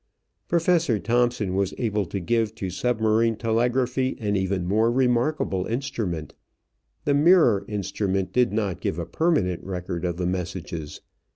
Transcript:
Professor Thomson was to give to submarine telegraphy an even more remarkable instrument. The mirror instrument did not give a permanent record of the messages.